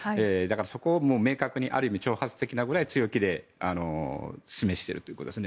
そこを明確にある意味、挑発的なぐらい強気で示しているということですね。